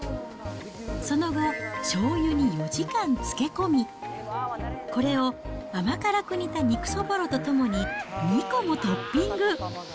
その後、しょうゆに４時間漬け込み、これを甘辛く煮た肉そぼろとともに、２個もトッピング。